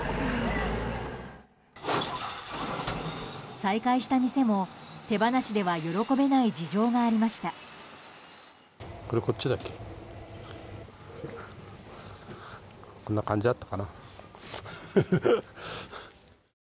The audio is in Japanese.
再開した店も、手放しでは喜べない事情がありました。